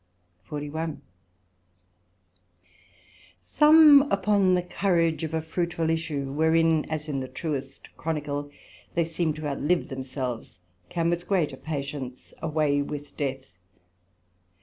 SECT.41 Some upon the courage of a fruitful issue, wherein, as in the truest Chronicle, they seem to outlive themselves, can with greater patience away with death.